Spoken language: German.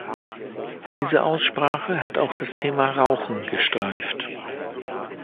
Diese Aussprache hat auch das Thema Rauchen gestreift.